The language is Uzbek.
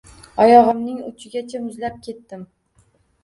Oyog`imning uchigacha muzlab ketdim